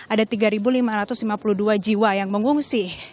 ada tiga lima ratus lima puluh dua jiwa yang mengungsi